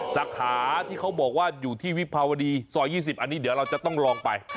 สาขาที่เขาบอกว่าอยู่ที่วิภาวดีซอย๒๐อันนี้เดี๋ยวเราจะต้องลองไป